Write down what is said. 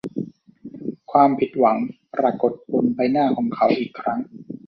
ความผิดหวังปรากฎบนใบหน้าของเขาอีกครั้ง